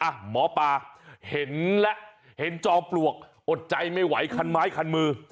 หมอปลาเห็นและเห็นจอมปลวกอดใจไม่ไหวคันไม้คันมือ